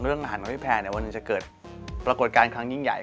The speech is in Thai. เรื่องอาหารของพี่แพร่วันนี้จะเกิดปรากฏการณ์ครั้งยิ่งใหญ่